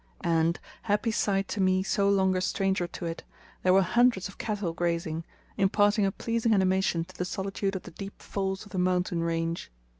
And, happy sight to me so long a stranger to it, there were hundreds of cattle grazing, imparting a pleasing animation to the solitude of the deep folds of the mountain range.